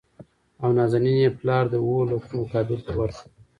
او نازنين يې پلار د اوولکو په مقابل کې ورکړه .